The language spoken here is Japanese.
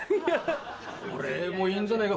これもいいんじゃねえか？